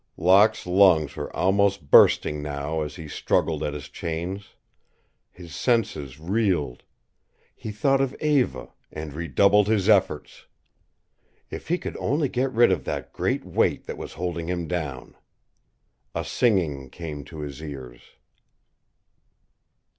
Locke's lungs were almost bursting now as he struggled at his chains; his senses reeled; he thought of Eva, and redoubled his efforts. If he could only get rid of that great weight that was holding him down. A singing came in his ears.